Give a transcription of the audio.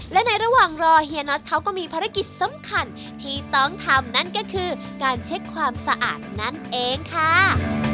และในระหว่างรอเฮียน็อตเขาก็มีภารกิจสำคัญที่ต้องทำนั่นก็คือการเช็คความสะอาดนั่นเองค่ะ